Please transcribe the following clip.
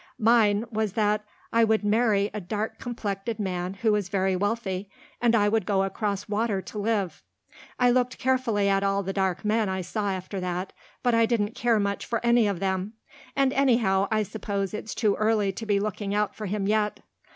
Mine was that I would marry a dark complected man who was very wealthy, and I would go across water to live. I looked carefully at all the dark men I saw after that, but I didn't care much for any of them, and anyhow I suppose it's too early to be looking out for him yet.